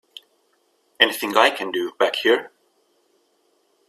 Anything I can do back here?